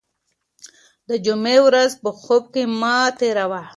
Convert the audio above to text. د جمعې ورځ په خوب کې مه تېروه.